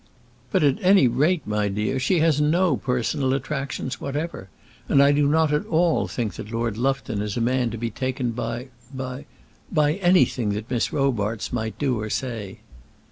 "But, at any rate, my dear, she has no personal attractions whatever, and I do not at all think that Lord Lufton is a man to be taken by by by anything that Miss Robarts might do or say."